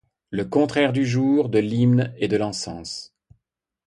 Le contraire du jour, de l’hymne et de l’encens !